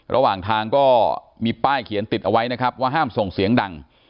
ระหว่างทางก็มีป้ายเขียนติดเอาไว้นะครับว่าห้ามส่งเสียงดัง